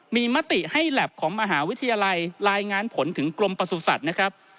มีมติให้แล็บของมหาวิทยาลัยรายงานผลถึงกรมประสุทธิ์นะครับ